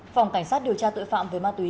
phòng cảnh sát điều tra tội phạm về ma túy